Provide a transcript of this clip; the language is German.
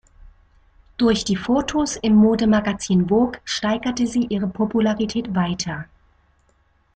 Durch die Fotos im Mode-Magazin Vogue steigerte sie ihre Popularität weiter.